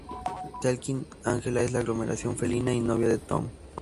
Talking Angela es la aglomeración felina y novia de Tom.